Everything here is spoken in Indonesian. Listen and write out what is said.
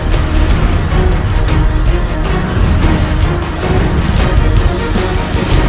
penaga puspa tingkat terakhir